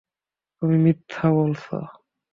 তুমি মিথ্যা বলছো।